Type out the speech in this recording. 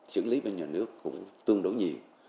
xử lý bên nhà nước cũng tương đối nhiều